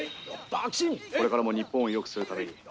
「これからも日本をよくするために」。